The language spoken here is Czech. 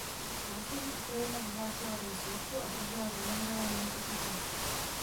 Následně Ukrajina vyhlásila den smutku a držela za zemřelé minutu ticha.